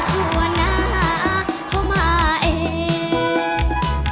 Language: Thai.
ฉันเปล่าจรวดน้าเข้ามาเอง